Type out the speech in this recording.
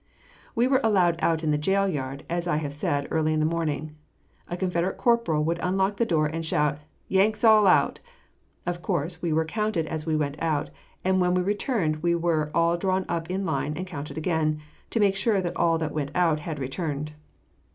We were allowed out in the jail yard, as I have said, early in the morning. A Confederate corporal would unlock the door, and shout out, "Yanks all out!" Of course, we were counted as we went out, and when we returned we were all drawn up in line and counted again, to make sure that all that went out had returned.